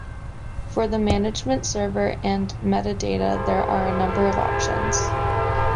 For the management server and metadata there are a number of options.